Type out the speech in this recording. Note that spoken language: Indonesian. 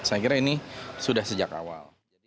saya kira ini sudah sejak awal